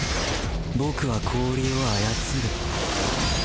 僕は氷を操る。